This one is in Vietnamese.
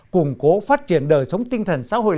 củng cố phát triển đời sống tinh thần xã hội